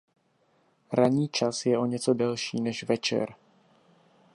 Ranní čas je o něco delší než večer.